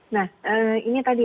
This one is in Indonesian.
nah ini tadi